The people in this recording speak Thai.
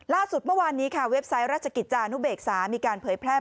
ล่าสุดเมื่อวานนี้ค่ะเว็บไซต์ราชกิจจานุเบกษามีการเผยแพร่